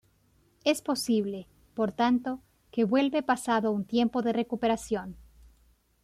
Es posible, por tanto, que vuelve pasado un tiempo de recuperación.